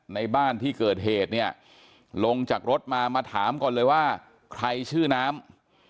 ในบ้านที่เกิดเหตุเนี่ยลงจากรถมามาถามก่อนเลยว่าใครชื่อน้ำ